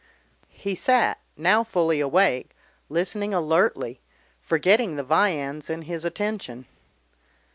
He sat, now fully awake, listening alertly, forgetting the viands in his attention.